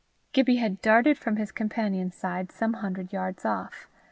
Gibbie had darted from his companion's side some hundred yards off.